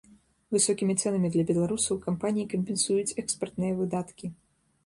Высокімі цэнамі для беларусаў кампаніі кампенсуюць экспартныя выдаткі.